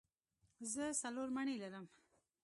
زه څلور مڼې لرم.